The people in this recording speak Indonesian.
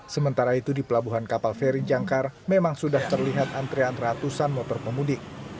sementara itu di pelabuhan kapal feri jangkar memang sudah terlihat antrean ratusan motor pemudik